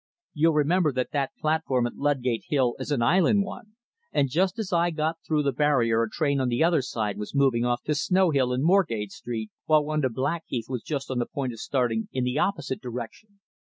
"You'll remember that that platform at Ludgate Hill is an island one, and just as I got through the barrier a train on the other side was moving off to Snow Hill and Moorgate Street, while one to Blackheath was just on the point of starting in the opposite direction.